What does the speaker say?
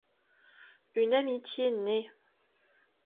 Une amitié naît.